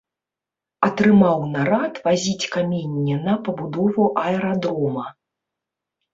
Атрымаў нарад вазіць каменне на пабудову аэрадрома.